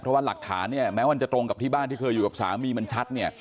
เพราะว่าหลักฐานแม้ว่าจะตรงกับที่บ้านที่เคยอยู่กับสามีมันชัด